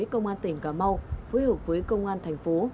công an tỉnh cà mau phối hợp với công an thành phố